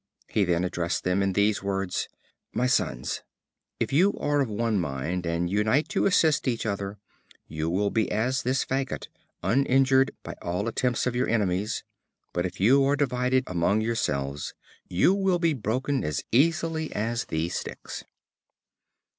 He then addressed them in these words: "My sons, if you are of one mind, and unite to assist each other, you will be as this faggot, uninjured by all attempts of your enemies; but if you are divided among yourselves, you will be broken as easily as these sticks."